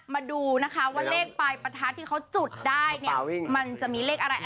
มาดูนะคะว่าเลขปลายประทัดที่เขาจุดได้เนี่ยมันจะมีเลขอะไร